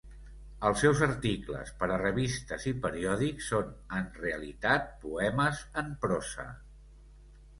Els seus articles per a revistes i periòdics són, en realitat, poemes en prosa.